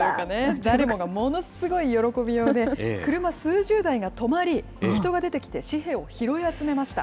誰もがものすごい喜びようで、車数十台が止まり、人が出てきて紙幣を拾い集めました。